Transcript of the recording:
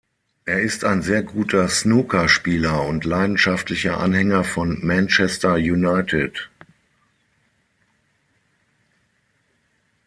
Er ist ein sehr guter Snookerspieler und leidenschaftlicher Anhänger von Manchester United.